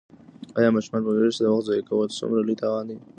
آیا ماشومان پوهېږي چې د وخت ضایع کول څومره لوی تاوان دی؟